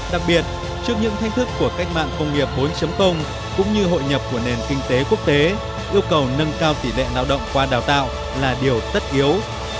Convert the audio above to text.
đặc biệt trước những thách thức của cách mạng công nghiệp bốn cũng như hội nhập của nền kinh tế quốc tế yêu cầu nâng cao tỷ lệ lao động qua đào tạo là điều tất yếu